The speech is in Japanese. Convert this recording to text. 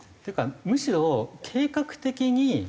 むしろ計画的にとる。